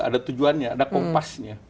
ada tujuannya ada kompasnya